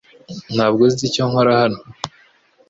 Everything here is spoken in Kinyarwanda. Ntabwo nzi icyo nkora hano .